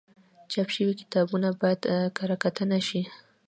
چاپ شوي کتابونه باید کره کتنه شي.